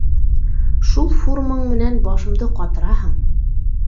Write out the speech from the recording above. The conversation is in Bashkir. — Шул фурмың менән башымды ҡатыраһың.